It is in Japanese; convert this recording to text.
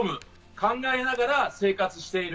考えながら生活している。